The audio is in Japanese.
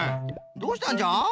どうしたんじゃ？